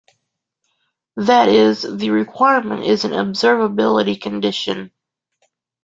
That is, the requirement is an observability condition.